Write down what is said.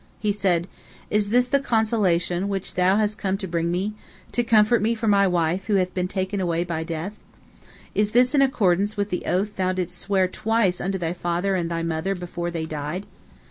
He said: "Is this the consolation which thou hast come to bring me, to comfort me for my wife, who hath been taken by death? Is this in accordance with the oath thou didst swear twice unto thy father and thy mother before they died?